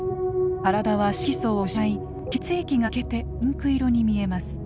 体は色素を失い血液が透けてピンク色に見えます。